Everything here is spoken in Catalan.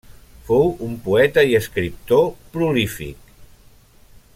Fou un poeta i escriptor prolífic.